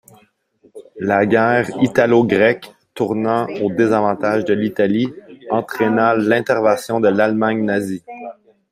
La guerre italo-grecque, tournant au désavantage de l'Italie, entraîna l'intervention de l'Allemagne nazie.